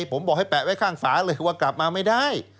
ผมบอกให้แปะไว้ข้างฝาเลยว่ากลับมาไม่ได้